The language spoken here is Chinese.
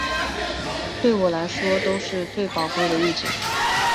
对我来说都是最珍贵的意见